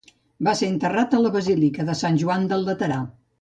Va ser enterrat a la Basílica de Sant Joan del Laterà.